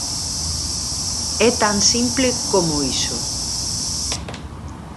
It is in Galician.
¡É tan simple como iso!